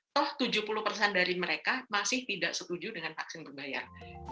toh tujuh puluh persen dari mereka masih tidak setuju dengan vaksin berbayar